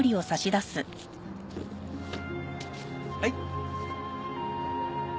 はい。